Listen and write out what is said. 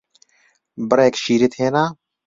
بڕێک شیرت هێنا؟